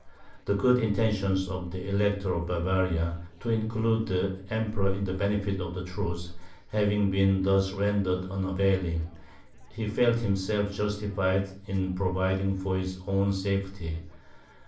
The good intentions of the Elector of Bavaria, to include the Emperor in the benefit of the truce, having been thus rendered unavailing, he felt himself justified in providing for his own safety.